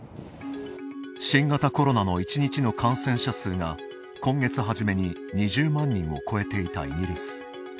新型コロナの１日の感染者数が今月初めに２０万人を超えていたイギリス。